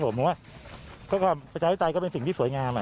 เพราะว่าปัจจารย์วิทยาตายก็เป็นสิ่งที่สวยงาม